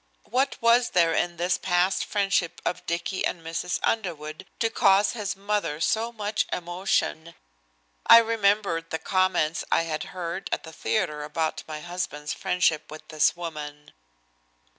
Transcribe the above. What was there in this past friendship of Dicky and Mrs. Underwood to cause his mother so much emotion? I remembered the comments I had heard at the theatre about my husband's friendship with this woman.